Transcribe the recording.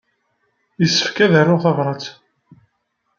Yessefk ad aruɣ tabṛat.